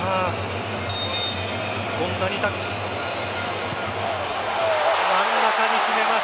権田に託す。